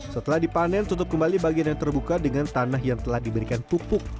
setelah dipanen tutup kembali bagian yang terbuka dengan tanah yang telah diberikan pupuk